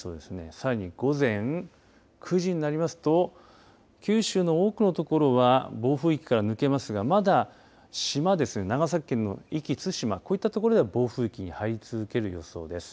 さらに午前９時になりますと九州の多くのところは暴風域から抜けますがまだ島ですね長崎県の壱岐・対馬こういったところは暴風域に入り続ける予想です。